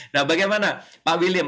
nah bagaimana pak william